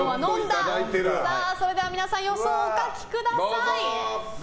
それでは皆さん予想をお書きください。